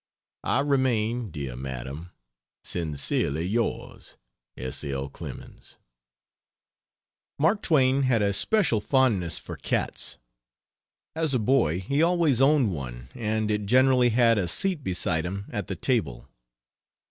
I remain, dear madam, Sincerely yours, S. L. CLEMENS. Mark Twain had a special fondness for cats. As a boy he always owned one and it generally had a seat beside him at the table.